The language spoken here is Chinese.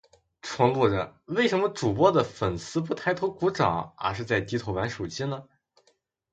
纯路人，为什么主播的粉丝不抬头鼓掌而是在低头玩手机呢？